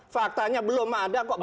faktanya belum ada kok